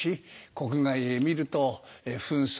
国外へ見ると紛争